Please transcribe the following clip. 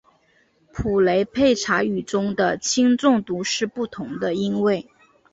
普雷佩查语中的轻重读是不同的音位。